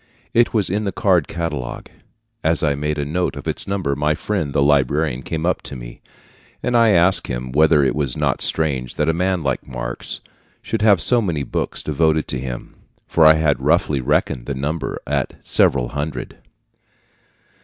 It was in the card catalogue. As I made a note of its number, my friend the librarian came up to me, and I asked him whether it was not strange that a man like Marx should have so many books devoted to him, for I had roughly reckoned the number at several hundred.